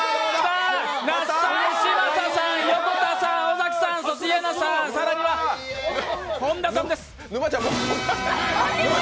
那須さん、嶋佐さん、横田さん、尾崎さん、矢吹さん、イェナさん、本田さんです。